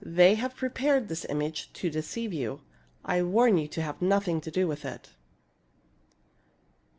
They have prepared this image to deceive you. I warn you to have nothing to do with it."